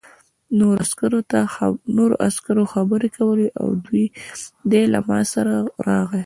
نورو عسکرو خبرې کولې او دی له ما سره راغی